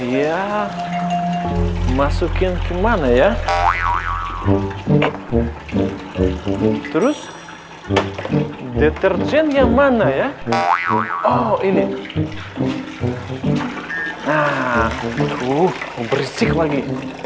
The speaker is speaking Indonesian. ya masukin ke mana ya terus deterjen yang mana ya oh ini berisik lagi